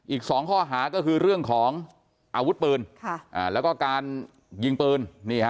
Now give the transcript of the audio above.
อีก๒ข้อหาก็คือเรื่องของอาวุธปืนแล้วก็การยิงปืน